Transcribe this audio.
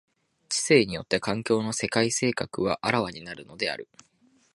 知性によって環境の世界性格は顕わになるのである。